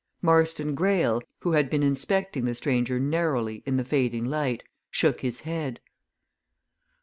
Marston Greyle, who had been inspecting the stranger narrowly in the fading light, shook his head.